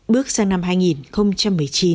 bước sang năm hai nghìn một mươi chín